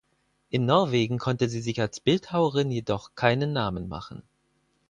In Norwegen konnte sie sich als Bildhauerin jedoch keinen Namen machen.